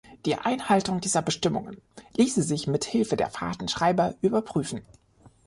Die Einhaltung dieser Bestimmungen ließe sich mit Hilfe der Fahrtenschreiber überprüfen.